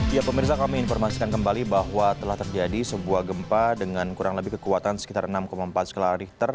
ya pemirsa kami informasikan kembali bahwa telah terjadi sebuah gempa dengan kurang lebih kekuatan sekitar enam empat skala richter